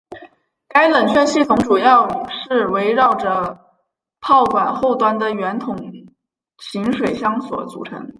该冷却系统主要是围绕着炮管后端的圆筒形水箱所组成。